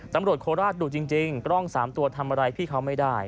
ตำรวจครราชดูดจริงจริงปล้องสามตัวทำอะไรพี่เขาไม่ได้